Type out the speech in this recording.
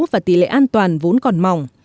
và tỷ lệ an toàn vốn còn mỏng